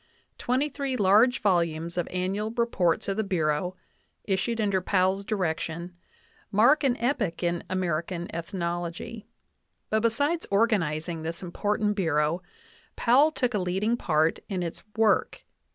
Twenty three large volumes of Annual Reports of the Bureau, issued under Powell's direction,, mark an epoch in American ethnology. But besides organizing this important Bureau, Powell took a leading part in its work.